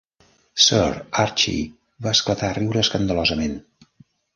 Sir Archie va esclatar a riure escandalosament.